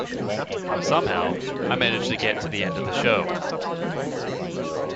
Somehow, I managed to get to the end of the show.